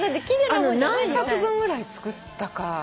何冊分ぐらい作ったか。